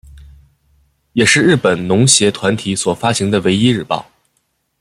也是日本农协团体所发行的唯一日报。